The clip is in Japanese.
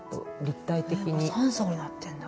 ３層になってんだ。